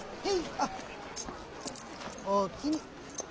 あっおおきに。